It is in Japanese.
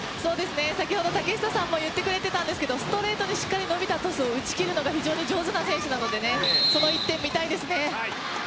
先ほど、竹下さんも言ってくれていたんですけどストレートでしっかり伸びたトスを打ち切るのが非常に上手な選手なのでその１点、見たいですね。